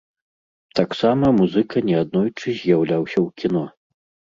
Таксама музыка неаднойчы з'яўляўся ў кіно.